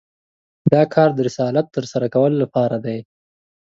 دا کار د رسالت تر سره کولو لپاره دی.